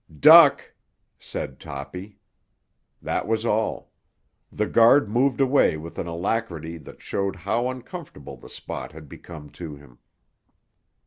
"Duck!" said Toppy. That was all. The guard moved away with an alacrity that showed how uncomfortable the spot had become to him.